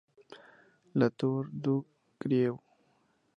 La Tour-du-Crieu